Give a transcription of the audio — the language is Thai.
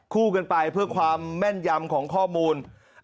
คู่กันไปเพื่อความแม่นยำของข้อมูล